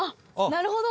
なるほど！